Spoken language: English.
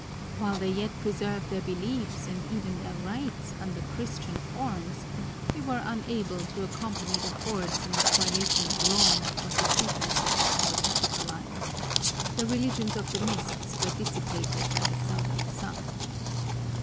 While they yet preserve their beliefs and even their rites under Christian forms, they were unable to accompany the hordes in the spoliation of Rome or to seat themselves on the Capitoline; the religions of the mists were dissipated by the southern sun.